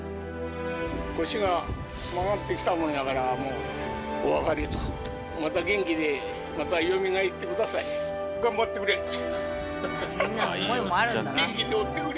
腰が曲がってきたもんやから、もうお別れと、また元気で、また、よみがえってください。頑張ってくれ。